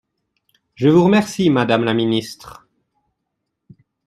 Je vous remercie, madame la ministre